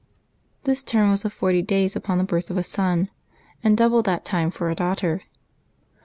This term was of forty days upon the birth of a son, and double that time for a daughter.